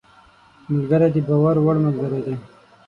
ملګری د باور وړ ملګری دی